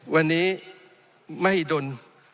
วันนี้มหิดล